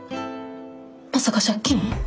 まさか借金？